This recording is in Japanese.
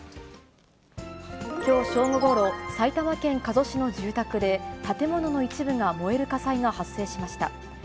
きょう正午ごろ、埼玉県加須市の住宅で、建物の一部が燃える火災が発生しました。